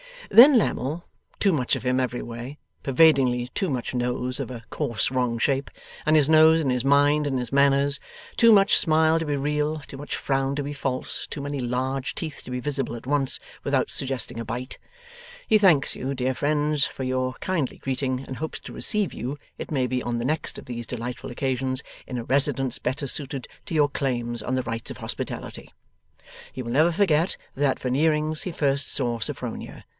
Then Lammle. Too much of him every way; pervadingly too much nose of a coarse wrong shape, and his nose in his mind and his manners; too much smile to be real; too much frown to be false; too many large teeth to be visible at once without suggesting a bite. He thanks you, dear friends, for your kindly greeting, and hopes to receive you it may be on the next of these delightful occasions in a residence better suited to your claims on the rites of hospitality. He will never forget that at Veneering's he first saw Sophronia.